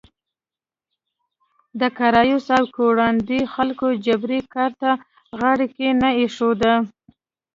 د کارایوس او کیورانډي خلکو جبري کار ته غاړه کې نه ایښوده.